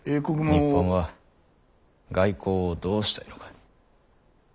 日本は外交をどうしたいのか？